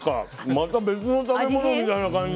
また別の食べ物みたいな感じ。